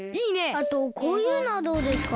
あとこういうのはどうですか？